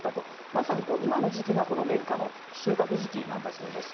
まさに今の時期が綿花の収穫時期だそうです。